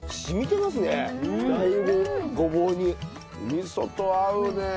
味噌と合うね。